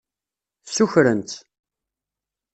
Ssukren-tt.